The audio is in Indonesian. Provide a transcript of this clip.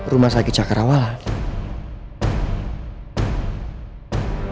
rumah sakit cakarawa aika